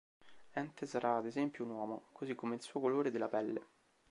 Ente sarà ad esempio un uomo, così come il suo colore della pelle.